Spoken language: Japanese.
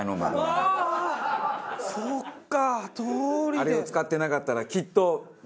あれを使ってなかったらきっとね